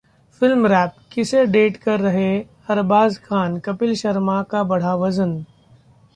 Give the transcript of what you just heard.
Film Wrap: किसे date कर रहे अरबाज खान? कपिल शर्मा का बढ़ा वजन